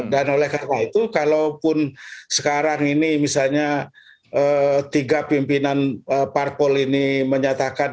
dan oleh karena itu kalaupun sekarang ini misalnya tiga pimpinan parkpol ini menyatakan